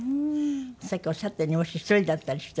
さっきおっしゃったようにもし１人だったりしたらね。